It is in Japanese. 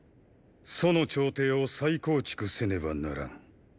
楚の朝廷を再構築せねばならん。